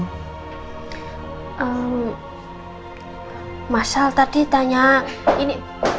ehm masal tadi tanya ini